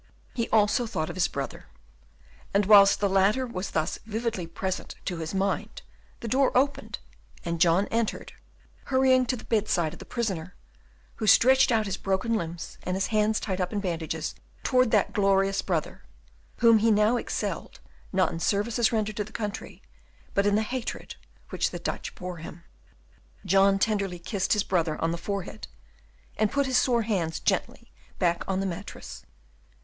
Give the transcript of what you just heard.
He also thought of his brother; and whilst the latter was thus vividly present to his mind the door opened, and John entered, hurrying to the bedside of the prisoner, who stretched out his broken limbs and his hands tied up in bandages towards that glorious brother, whom he now excelled, not in services rendered to the country, but in the hatred which the Dutch bore him. John tenderly kissed his brother on the forehead, and put his sore hands gently back on the mattress.